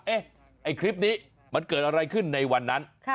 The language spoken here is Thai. ไอ้คลิปนี้มันเกิดอะไรขึ้นในวันนั้น